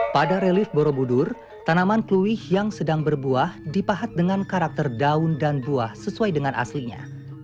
pada relift borobudur tanaman kluih yang sedang berbuah dipahat dengan karakter daun dan buah sesuai dengan aslinya